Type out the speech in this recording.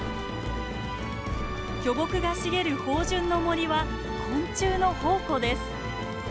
巨木が茂る豊潤の森は昆虫の宝庫です。